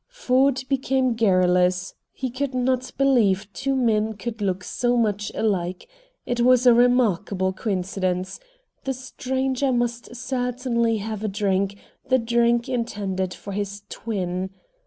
Ford became garrulous, he could not believe two men could look so much alike. It was a remarkable coincidence. The stranger must certainly have a drink, the drink intended for his twin.